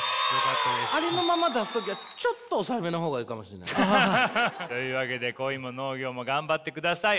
ありのまま出す時はちょっと抑えめの方がいいかもしんない。というわけで恋も農業も頑張ってください。